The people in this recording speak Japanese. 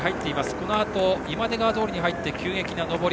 このあと、今出川通に入って急激な上り。